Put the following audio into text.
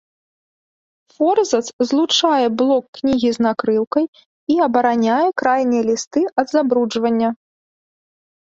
Форзац злучае блок кнігі з накрыўкай і абараняе крайнія лісты ад забруджвання.